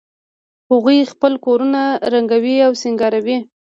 هغوی خپل کورونه رنګوي او سینګاروي